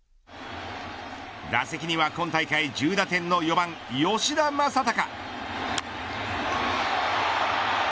打席には今大会１０打点の４番吉田正尚。